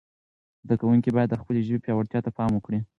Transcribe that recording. زده کوونکي باید د خپلې ژبې پياوړتیا ته پام وکړي.